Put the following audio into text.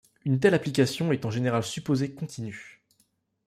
Une telle application est en général supposée continue.